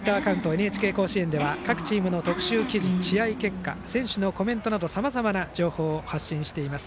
「ＮＨＫ甲子園」では各チームの特集記事、試合結果選手のコメントなどさまざまな情報を発信しています。